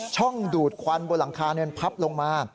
ช่องดูดควันบนหลังคานั้นพับลงมา